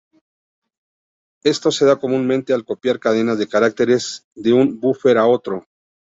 Esto se da comúnmente al copiar cadenas de caracteres de un búfer a otro.